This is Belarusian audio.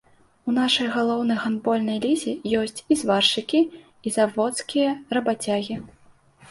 У нашай галоўнай гандбольнай лізе ёсць і зваршчыкі, і заводскія рабацягі.